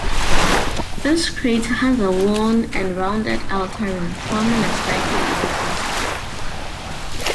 This crater has a worn and rounded outer rim, forming a slightly irregular circle.